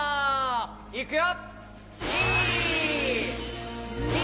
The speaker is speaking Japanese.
いくよ。